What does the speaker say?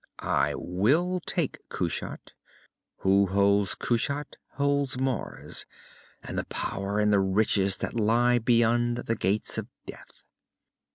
"I will take Kushat. Who holds Kushat, holds Mars and the power and the riches that lie beyond the Gates of Death!"